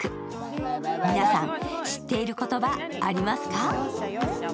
皆さん、知っている言葉、ありますか？